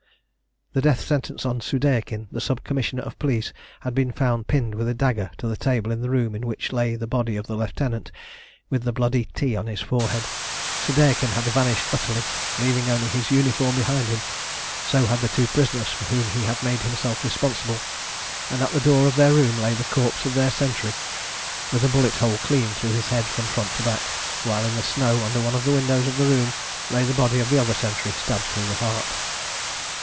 The death sentence on Soudeikin, the sub commissioner of police, had been found pinned with a dagger to the table in the room in which lay the body of the lieutenant, with the bloody *T* on his forehead. Soudeikin had vanished utterly, leaving only his uniform behind him; so had the two prisoners for whom he had made himself responsible, and at the door of their room lay the corpse of the sentry with a bullet hole clean through his head from front to back, while in the snow under one of the windows of the room lay the body of the other sentry, stabbed through the heart.